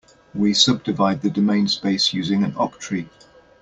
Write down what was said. We subdivide the domain space using an octree.